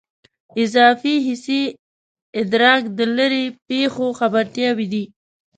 اضافي حسي ادراک د لیرې پېښو خبرتیاوې دي.